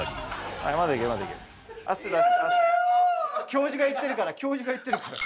教授が言ってるから教授が言ってるから。